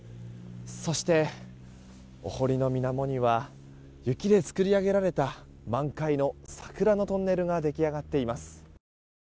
そして、お堀の水面には雪で作り上げられた満開の桜のトンネルが出来上がっています。